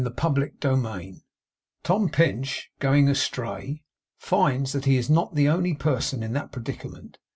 CHAPTER THIRTY SEVEN TOM PINCH, GOING ASTRAY, FINDS THAT HE IS NOT THE ONLY PERSON IN THAT PREDICAMENT.